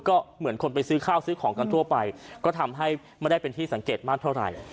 ก็เหมือนคนไปซื้อข้าวซื้อของกันทั่วไปก็ทำให้ไม่ได้เป็นที่สังเกตมากเท่าไหร่